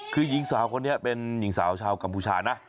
คือหญิงสาวคนนี้เป็นหญิงสาวชาวกัมพูชานะ